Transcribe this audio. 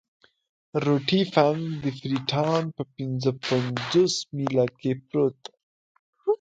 روټي فنک د فري ټاون په پنځه پنځوس میله کې پروت وو.